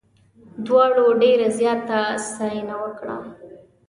دواړو ډېره زیاته ستاینه وکړه.